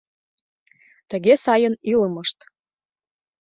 Тыге сайын илымышт